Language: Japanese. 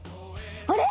あれ？